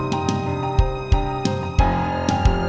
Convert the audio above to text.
mungkin gue bisa dapat petunjuk lagi disini